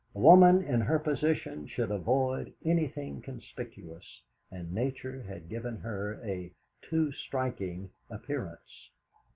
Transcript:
A woman in her position should avoid anything conspicuous, and Nature had given her a too striking appearance.